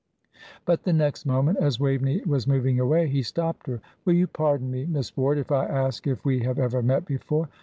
But the next moment, as Waveney was moving away, he stopped her. "Will you pardon me, Miss Ward, if I ask if we have ever met before?